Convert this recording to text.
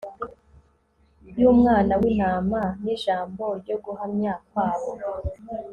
yUmwana wintama nijambo ryo guhamya kwabo